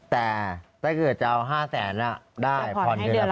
แต่ถ้าเกิดจะเอา๕๐๐๐๐๐ได้พรเดือนละ๑๐๐๐